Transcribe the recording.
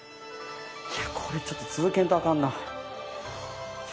いやこれちょっと続けんとあかんな。